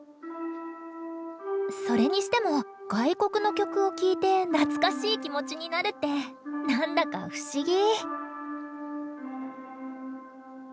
それにしても外国の曲を聴いて懐かしい気持ちになるってなんだか不思議！